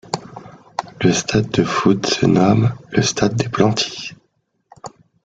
Le stade de foot se nomme le stade des Plantys.